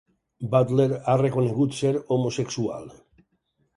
Butler ha reconegut ser homosexual.